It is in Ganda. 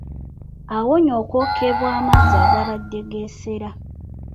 Awonye okwokebwa amazzi agabadde geesera.